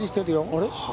あれ？